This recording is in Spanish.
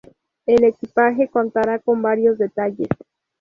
El equipaje contará con varios detalles.